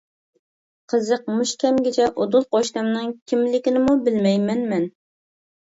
قىزىق، مۇشۇ كەمگىچە ئۇدۇل قوشنامنىڭ كىملىكىنىمۇ بىلمەيمەن مەن.